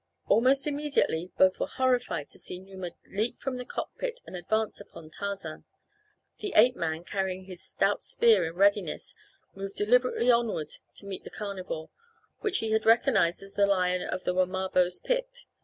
Almost immediately both were horrified to see Numa leap from the cockpit and advance upon Tarzan. The ape man, carrying his stout spear in readiness, moved deliberately onward to meet the carnivore, which he had recognized as the lion of the Wamabos' pit.